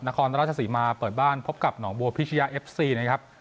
นครราชสีมาเปิดบ้านพบกับหนองบัวพิชยาเอฟซีนะครับ